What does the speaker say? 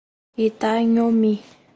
Itanhomi